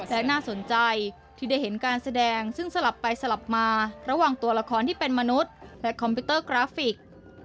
และน่าสนใจที่ได้เห็นการแสดงซึ่งสลับไปสลับมาระหว่างตัวละครที่เป็นมนุษย์และคอมพิวเตอร์กราฟิก